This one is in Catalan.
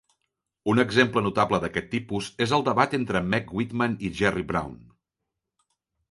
Un exemple notable d'aquest tipus és el debat entre Meg Whitman i Jerry Brown.